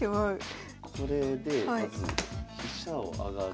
これでまず飛車を上がる。